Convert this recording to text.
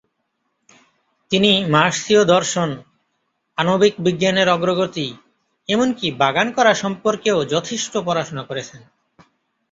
তিনি মার্ক্সীয় দর্শন, আণবিক বিজ্ঞানের অগ্রগতি, এমনকি বাগান করা সম্পর্কেও যথেষ্ট পড়াশোনা করেছেন।